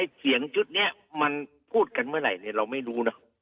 เสียงชุดนี้มันพูดกันเมื่อไหร่เราไม่รู้นะ